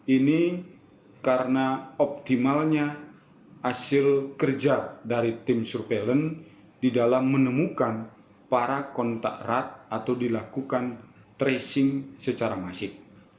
ini karena optimalnya hasil kerja dari tim surveillance di dalam menemukan para kontak erat atau dilakukan tracing secara masif